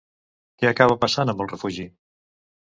Què acaba passant amb el refugi?